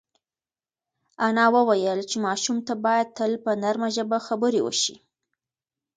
انا وویل چې ماشوم ته باید تل په نرمه ژبه خبرې وشي.